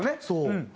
そう。